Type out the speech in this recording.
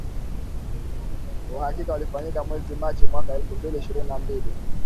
Uhakiki ulifanyika mwezi Machi mwaka elfu mbili ishirini na mbili